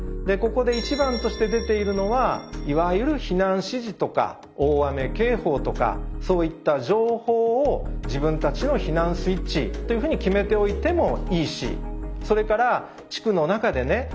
ここで一番として出ているのはいわゆる避難指示とか大雨警報とかそういった情報を自分たちの避難スイッチというふうに決めておいてもいいしそれから地区の中でね